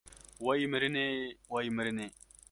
Wey mirinê, wey mirinê